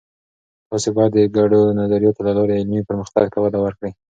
تاسې باید د ګډو نظریاتو له لارې علمي پرمختګ ته وده ورکړئ.